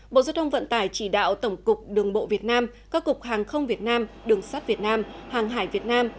bộ giao thông vận tải chỉ đạo tổng cục đường bộ việt nam các cục hàng không việt nam đường sắt việt nam hàng hải việt nam